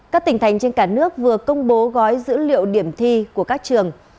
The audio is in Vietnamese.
các tỉnh thành trên cả nước vừa công bố gói dữ liệu điểm thi của các trường